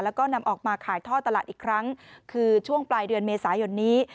แล้วก็นำออกมาขายท่อตลาดอีกครั้งคือช่วงปลายเดือนเมษายนนี้